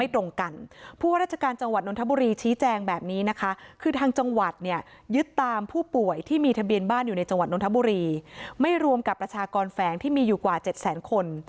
ท่ามผู้ป่วยที่มีทะเบียนบ้านอยู่ในจังหวัดนทบุรีไม่ร้วมกับประชากรแฟงที่มีอยู่กว่า๗แสนคน